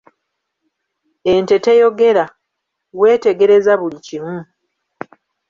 Ente teyogera, weetegereza buli kimu.